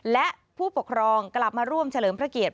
และผู้ปกครองกลับมาร่วมเฉลิมพระเกียรติ